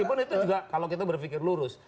meskipun itu juga kalau kita berpikir lurus